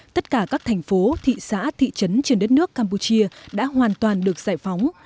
tất cả các thành phố thị xã thị trấn trên đất nước campuchia đã hoàn toàn được giải phóng